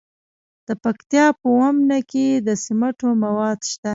د پکتیکا په اومنه کې د سمنټو مواد شته.